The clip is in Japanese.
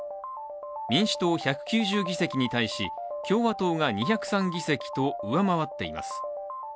民主党１９０議席に対し、共和党が２０３議席と上回っています。